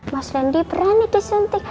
mas lendi berani di suntik